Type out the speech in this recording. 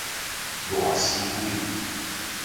懶屍怪